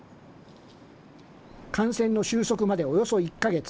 感染の収束までおよそ１か月。